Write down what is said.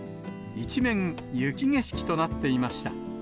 一面、雪景色となっていました。